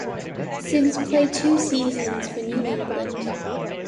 Simms played two seasons for New England.